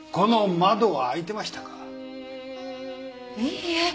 いいえ。